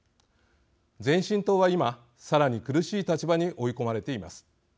前進党は今、さらに苦しい立場に追い込まれています。